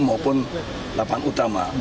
maupun lapangan utama